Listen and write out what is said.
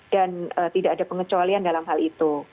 tidak ada pengecualian dalam hal itu